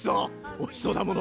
おいしそうだもの！